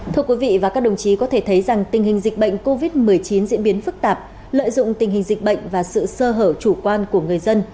thưa quý vị và các đồng chí có thể thấy rằng tình hình dịch bệnh covid một mươi chín diễn biến phức tạp lợi dụng tình hình dịch bệnh và sự sơ hở chủ quan của người dân